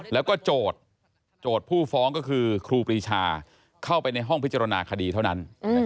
แล้วก็โจทย์ผู้ฟ้องก็คือครูปรีชาเข้าไปในห้องพิจารณาคดีเท่านั้น